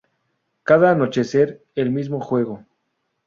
Cada anochecer el mismo juego".